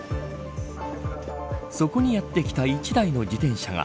そこにやってきた１台の自転車が。